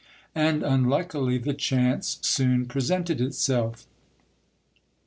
And unluckily the chance soon presented itself.